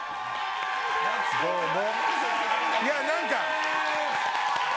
いや、何か。